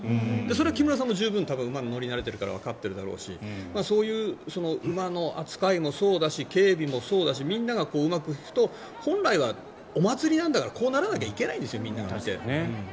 それは木村さんも十分馬に乗り慣れているからわかっているだろうしそういう馬の扱いもそうだし警備もそうだしみんながうまくいくと本来はお祭りなんだからこうならなきゃいけないんですよみんな。